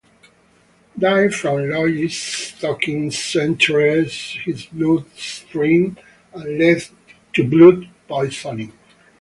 Dye from Lajoie's stockings entered his bloodstream and led to blood poisoning.